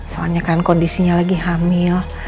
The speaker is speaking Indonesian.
soalnya kan kondisinya lagi hamil